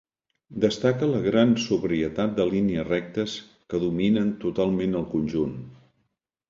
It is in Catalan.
Destaca la gran sobrietat de línies rectes que dominen totalment el conjunt.